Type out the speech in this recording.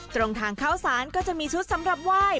ตรงทางเข้าสารก็จะมีชุดสำหรับไหว้